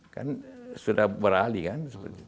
kan sudah beralih kan